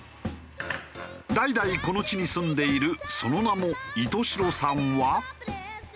代々この地に住んでいるその名も石徹白さんは。